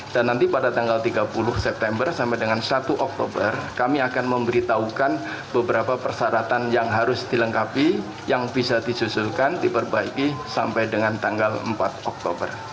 dan nanti pada tanggal tiga puluh september sampai dengan satu oktober kami akan memberitahukan beberapa persyaratan yang harus dilengkapi yang bisa disusulkan diperbaiki sampai dengan tanggal empat oktober